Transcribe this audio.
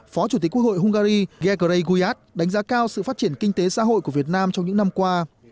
phó chủ tịch quốc hội hungary gekrey guyad đánh giá cao sự phát triển kinh tế xã hội của việt nam trong những năm qua